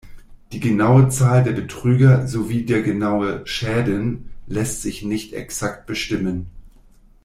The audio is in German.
Die genaue Zahl der Betrüger sowie der genaue Schäden lässt sich nicht exakt bestimmen.